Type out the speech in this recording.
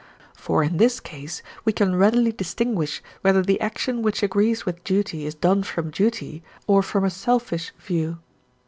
For in this case we can readily distinguish whether the action which agrees with duty is done from duty, or from a selfish view.